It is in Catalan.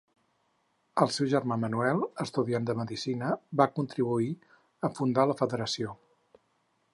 El seu germà Manuel, estudiant de Medicina, va contribuir a fundar la Federació.